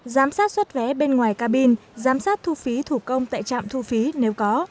giám sát xuất vé bên ngoài cabin giám sát thu phí thủ công tại trạm thu phí nếu có